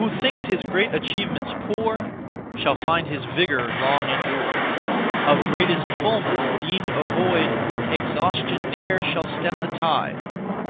Who thinks his great achievements poor Shall find his vigour long endure. Of greatest fulness, deemed a void, Exhaustion ne'er shall stem the tide.